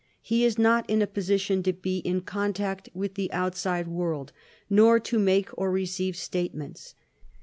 He is not in a position to be in contact with the outside world nor to make or receive statements.